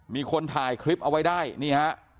มีคนถ่ายคลิปเอาไว้ได้นี่ฮะ